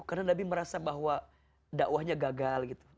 karena nabi merasa bahwa dakwahnya gagal gitu